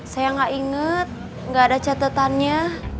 saya gak inget gak ada catetannya